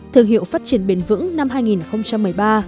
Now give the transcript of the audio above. thương hiệu phát triển bền vững năm hai nghìn một mươi ba